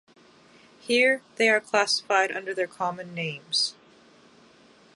Here, they are classified under their common names.